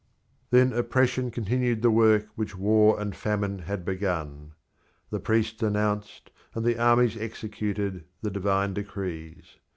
Then oppression continued the work which war and famine had begun. The priests announced, and the armies executed, the divine decrees.